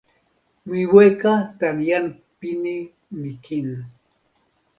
mi weka tan jan pini mi kin.